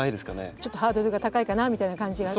ちょっとハードルが高いかなみたいな感じがする？